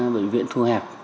bệnh viện thu hẹp